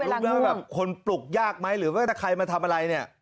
เวลาง่วงหลับลึกแล้วแบบคนปลุกยากไหมหรือว่าถ้าใครมาทำอะไรเนี้ย